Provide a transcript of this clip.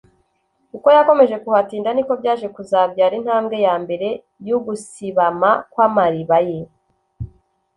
uko yakomeje kuhatinda niko byaje kuzabyara intambwe ya mbere y’ugusibama kw’amariba ye